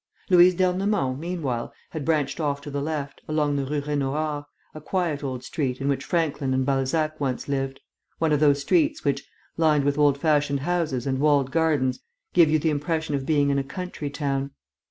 Louise d'Ernemont, meanwhile, had branched off to the left, along the Rue Raynouard, a quiet old street in which Franklin and Balzac once lived, one of those streets which, lined with old fashioned houses and walled gardens, give you the impression of being in a country town.